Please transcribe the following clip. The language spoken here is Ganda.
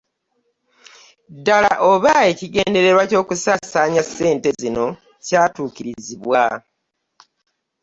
Ddala oba ekigendererwa ky'okusaasaanya ssente zino kyatuukirizibwa.